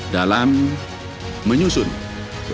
dalam menyusun dan menjaga kemampuan bank indonesia